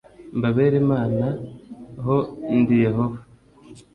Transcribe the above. mbabere Imana h Ndi Yehova